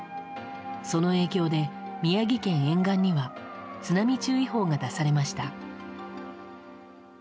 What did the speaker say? その影響で宮城県沿岸には津波注意報が出されました。